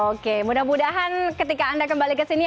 oke mudah mudahan ketika anda kembali ke sini